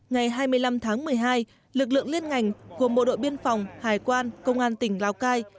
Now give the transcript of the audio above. ngày hai mươi năm tháng một mươi hai lực lượng liên ngành gồm bộ đội biên phòng hải quan công an tỉnh lào cai